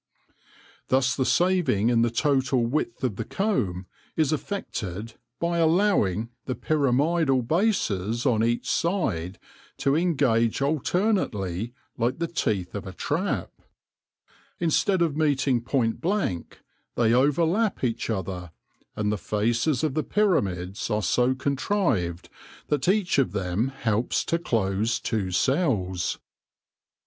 Thus the saving in the total width of the comb is effected by allowing the pyramidal bases on each side to engage alternately like the teeth of a trap ; instead of meeting point blank, they overlap each other, and the faces of the pyramids are so contrived that each of them helps to close two cells.